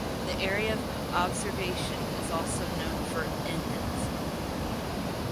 The area of observation is also known for endemism.